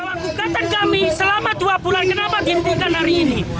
bahwa gugatan kami selama dua bulan kenapa dihentikan hari ini